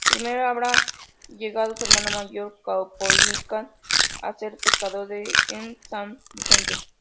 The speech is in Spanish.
Primero había llegado su hermano mayor, Caupolicán, a ser pescador en San Vicente.